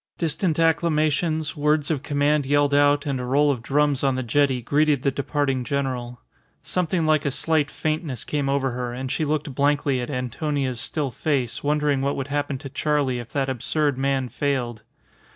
Distant acclamations, words of command yelled out, and a roll of drums on the jetty greeted the departing general. Something like a slight faintness came over her, and she looked blankly at Antonia's still face, wondering what would happen to Charley if that absurd man failed.